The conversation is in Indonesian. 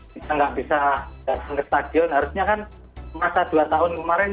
kita nggak bisa datang ke stadion harusnya kan masa dua tahun kemarin